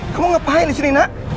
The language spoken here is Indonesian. kamu ngapain di sini nak